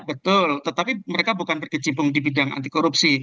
betul tetapi mereka bukan berkecimpung di bidang anti korupsi